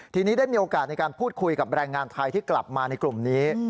ทีนี้ได้มีโอกาสในการพูดคุยกับแรงงานไทยที่กลับมาในกลุ่มนี้